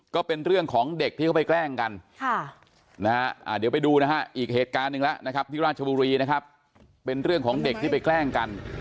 ก็เป็นเรื่องของเด็กที่เขาไปแกล้งกันเดี๋ยวไปดูนะฮะอีกเหตุการณ์หนึ่งแล้วนะครับที่ราชบุรีนะครับเป็นเรื่องของเด็กที่ไปแกล้งกัน